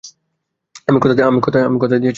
আমি কথা দিয়েছি, যাব।